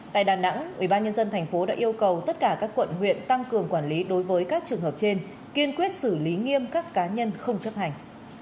tại đà nẵng ubnd tp đã yêu cầu tất cả các quận huyện tăng cường quản lý đối với các trường hợp trên kiên quyết xử lý nghiêm các cá nhân không chấp hành